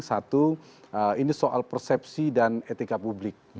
satu ini soal persepsi dan etika publik